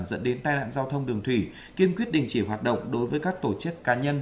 dẫn đến tai nạn giao thông đường thủy kiên quyết đình chỉ hoạt động đối với các tổ chức cá nhân